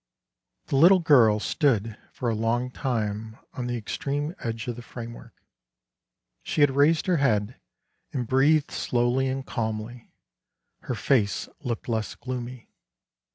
4 The little girl stood for a long time on the extreme edge of the framework ; she had raised her head and breathed slowly and calmly ; her face looked less gloomy.